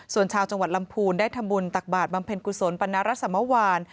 ส่วนชาวจังหวัดลำพูนได้ทำบุญตักบาทบำเพ็ญกุศลปรณรสมวาน